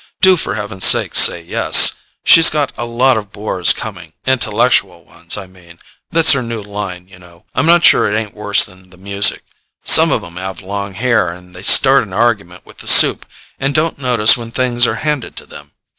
Do for heaven's sake say yes. She's got a lot of bores coming—intellectual ones, I mean; that's her new line, you know, and I'm not sure it ain't worse than the music. Some of 'em have long hair, and they start an argument with the soup, and don't notice when things are handed to them.